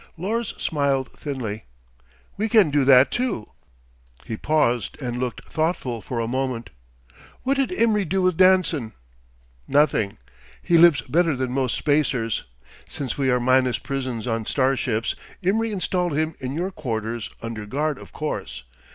Lors smiled thinly. "We can do that, too." He paused and looked thoughtful for a moment "What did Imry do with Danson?" "Nothing. He lives better than most spacers. Since we are minus prisons on starships, Imry installed him in your quarters, under guard, of course.